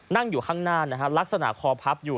นั่งอยู่ข้างหน้านะฮะลักษณะคอพับอยู่